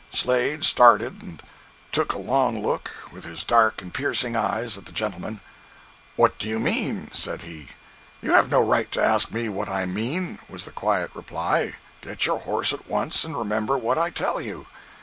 Slade started and took a long look, with his dark and piercing eyes, at the gentleman. "What do you mean?" said he. "You have no right to ask me what I mean," was the quiet reply, "get your horse at once, and remember what I tell you."